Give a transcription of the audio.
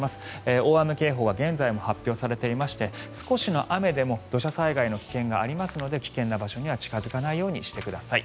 大雨警報が現在も発表されていまして少しの雨でも土砂災害の危険がありますので危険な場所には近付かないようにしてください。